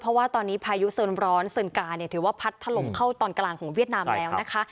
เพราะว่าตอนนี้พายุเซินร้อนเซินกาเนี่ยถือว่าพัดถล่มเข้าตอนกลางของเวียดนามแล้วนะคะ